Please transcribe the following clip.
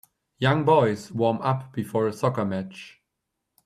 Young boys warm up before a soccer match.